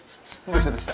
どうした？